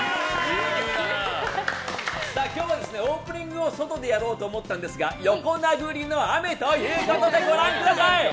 今日もオープニングを外でやろうと思ったんですが横殴りの雨ということでご覧ください！